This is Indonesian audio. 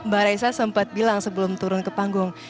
mbak reza sempat bilang sebelum turun ke panggung